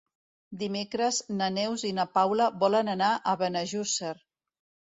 Dimecres na Neus i na Paula volen anar a Benejússer.